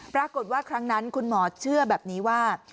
ปรากฏว่าครั้งนั้นคุณหมอเชื่อแบบนี้ว่า